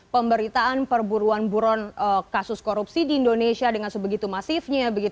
pemberitaan perburuan buron kasus korupsi di indonesia dengan sebegitu masifnya